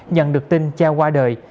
nhận được tin cha qua đời